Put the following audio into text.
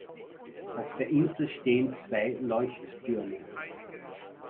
Auf der Insel stehen zwei Leuchttürme.